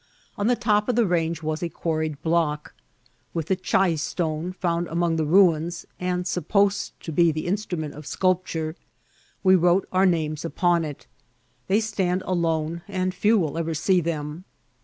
On the top of the range was a quarried block. With the chay stone found among the ruins, and supposed to be the instrument of scu^ture, we wrote our names up<m it. They stand alone, and few will ever see them.